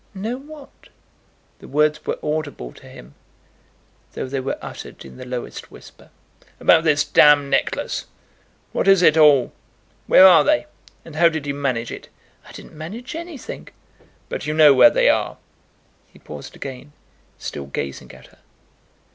"Know what?" The words were audible to him, though they were uttered in the lowest whisper. "About this d necklace. What is it all? Where are they? And how did you manage it?" "I didn't manage anything!" "But you know where they are?" He paused again, still gazing at her.